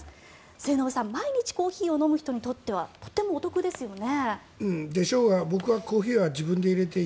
末延さん、毎日コーヒーを飲む人にとってはとてもお得ですよね。